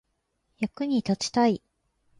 役に立ちたい